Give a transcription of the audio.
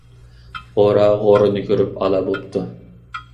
غورا غورىنى كۆرۈپ ئالا بوپتۇ.